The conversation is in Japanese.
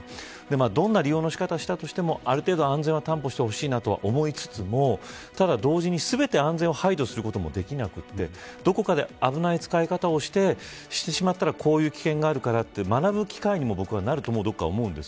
どんな利用の仕方をしたとしてもある程度、安全は担保してほしいと思いつつもただ同時に全て安全を配慮することもできなくてどこかで危ない使い方をしてしまったらこういう危険があるからと学ぶ機会にもなるともどこか思うんです。